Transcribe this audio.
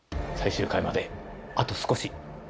最終回まであと少し。